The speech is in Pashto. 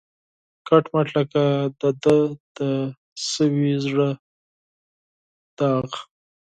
کټ مټ لکه د ده د سوي زړه داغ